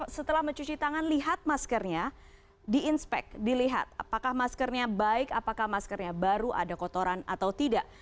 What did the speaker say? setelah mencuci tangan lihat maskernya di inspek dilihat apakah maskernya baik apakah maskernya baru ada kotoran atau tidak